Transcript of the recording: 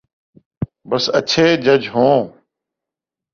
بس اچھے جج ہوں۔